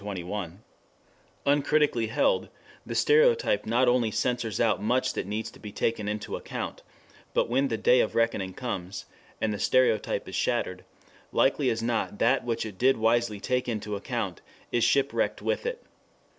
3 Uncritically held, the stereotype not only censors out much that needs to be taken into account, but when the day of reckoning comes, and the stereotype is shattered, likely as not that which it did wisely take into account is ship wrecked with it.